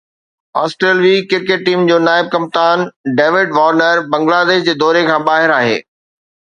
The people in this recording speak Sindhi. آسٽريلوي ڪرڪيٽ ٽيم جو نائب ڪپتان ڊيوڊ وارنر بنگلاديش جي دوري کان ٻاهر آهي